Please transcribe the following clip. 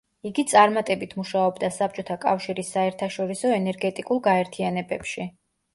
იგი წარმატებით მუშაობდა საბჭოთა კავშირის საერთაშორისო ენერგეტიკულ გაერთიანებებში.